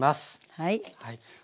はい。